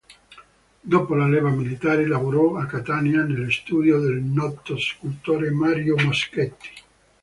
Dopo la leva militare, lavorò a Catania nello studio del noto scultore Mario Moschetti.